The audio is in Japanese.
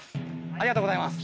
ありがとうございます。